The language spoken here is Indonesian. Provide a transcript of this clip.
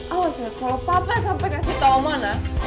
awas ya kalo papa sampe kasih tau mana